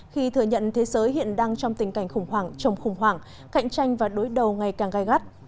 khi thừa nhận thế giới hiện đang trong tình cảnh khủng hoảng trồng khủng hoảng cạnh tranh và đối đầu ngày càng gai gắt